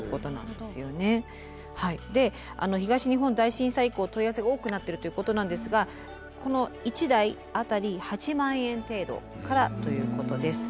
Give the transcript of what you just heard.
で東日本大震災以降問い合わせが多くなってるということなんですがこの１台当たり８万円程度からということです。